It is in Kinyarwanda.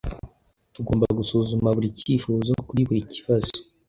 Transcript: Tugomba gusuzuma buri cyifuzo kuri buri kibazo